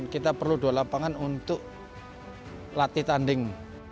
kita perlu dua lapangan untuk latih tanding